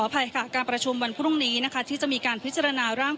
อภัยค่ะการประชุมวันพรุ่งนี้นะคะที่จะมีการพิจารณาร่าง